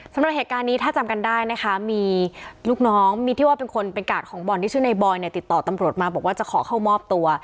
สำหรับเหตุการณ์นี้ถ้าจำกันได้นะคะมีลูกน้องมีที่ว่าเป็นคนเป็นกาดของบอลที่ชื่อในบอยเนี่ยติดต่อตำรวจมาบอกว่าจะขอเข้ามอบตัว